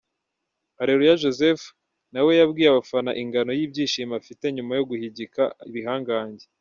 Areruya Joseph na we yabwiye abafana ingano y’ibyishimo afite nyuma yo guhigika ibihangange